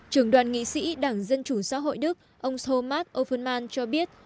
trưởng đoàn nghị sĩ đảng dân chủ xã hội đức ông thomas offerman cho biết